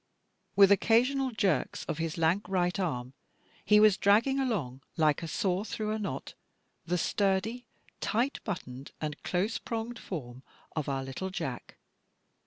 With occasional jerks of his lank right arm, he was dragging along, like a saw through a knot, the sturdy, tight buttoned, and close pronged form of our little Jack.